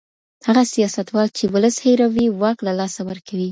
هغه سياستوال چي ولس هېروي واک له لاسه ورکوي.